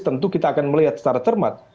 tentu kita akan melihat secara cermat